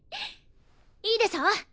いいでしょ？